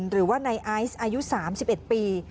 หรือว่าในไอซ์อายุ๓๑ปี